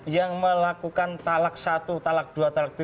yang melakukan talak satu talak dua talak tiga